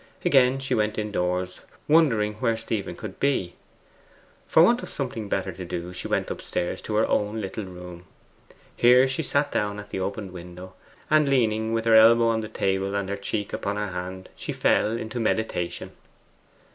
Again she went indoors, wondering where Stephen could be. For want of something better to do, she went upstairs to her own little room. Here she sat down at the open window, and, leaning with her elbow on the table and her cheek upon her hand, she fell into meditation.